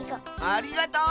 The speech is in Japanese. ありがとう！